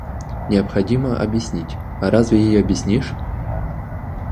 Необходимо объяснить, а разве ей объяснишь?